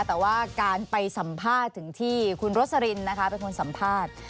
แต่ว่าการไปสัมภาษณ์ถึงที่คุณโรสลินนะคะเป็นคนสัมภาษณ์